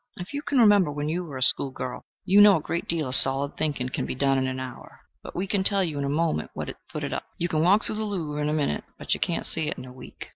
If you can remember when you were a school girl, you know a great deal of solid thinking can be done in an hour. But we can tell you in a moment what it footed up. You can walk through the Louvre in a minute, but you cannot see it in a week.